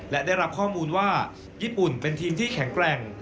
และได้รับข้อมูลว่าญี่ปุ่นเป็นทีมที่แข็งแกร่ง